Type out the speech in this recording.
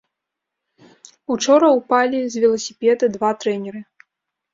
Учора упалі з веласіпеда два трэнеры.